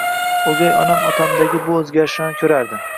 O'gay onam otamdagi bu o'zgarishni ko'rardi